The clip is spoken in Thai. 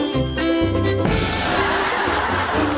สวัสดีค่ะ